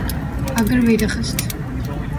agir vedixwist